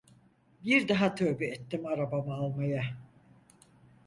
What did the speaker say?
Bir daha tövbe ettim arabama almaya…